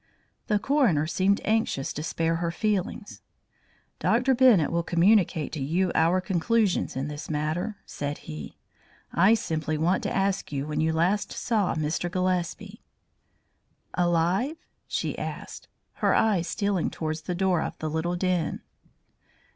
The coroner seemed anxious to spare her feelings. "Dr. Bennett will communicate to you our conclusions in this matter," said he. "I simply want to ask you when you last saw Mr. Gillespie." "Alive?" she asked, her eyes stealing towards the door of the little den.